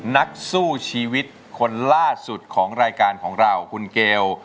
นักสู้ชีวิตคนล่าสุดของรายการของเราคุณเกล